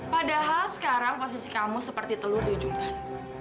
padahal sekarang posisi kamu seperti telur di ujungkan